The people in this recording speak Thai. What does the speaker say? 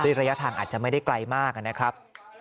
ระยะทางอาจจะไม่ได้ไกลมากนะครับ